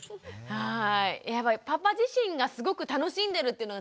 はい。